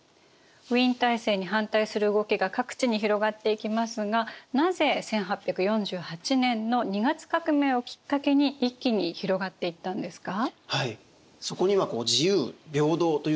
ウィーン体制に反対する動きが各地に広がっていきますがなぜ１８４８年の二月革命をきっかけに一気に広がっていったんですか？